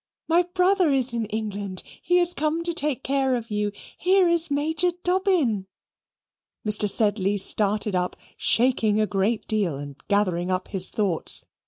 My brother is in England. He is come to take care of you. Here is Major Dobbin." Mr. Sedley started up, shaking a great deal and gathering up his thoughts.